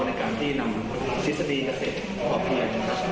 ในการที่นำศิษย์ดีเกษตรพอเพียง